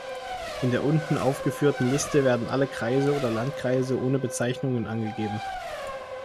In der unten aufgeführten Liste werden alle Kreise oder Landkreise ohne Bezeichnungen angegeben.